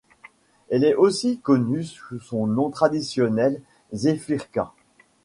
Elle est aussi connue sous son nom traditionnel Zefirka.